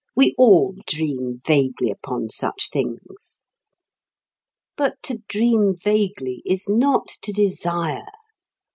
We all dream vaguely upon such things. But to dream vaguely is not to desire.